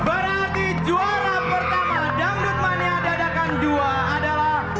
berarti juara pertama dangdut mania dadakan dua adalah